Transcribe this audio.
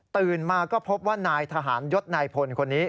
ตื่นมาก็พบว่านายทหารยศนายพลคนนี้